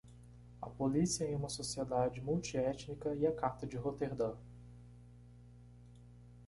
A polícia em uma sociedade multiétnica e a carta de Roterdã.